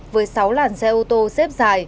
với sáu làn xe ô tô xếp dài